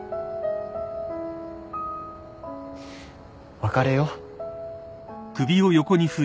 別れよう。